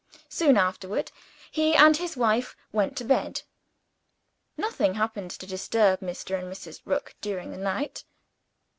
Soon afterward, he and his wife went to bed. Nothing happened to disturb Mr. and Mrs. Rook during the night.